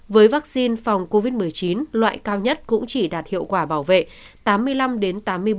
với vaccine phòng covid một mươi chín loại cao nhất cũng chỉ đạt hiệu quả bảo vệ tám mươi năm đến tám mươi bảy